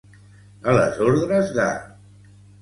A les ordres de.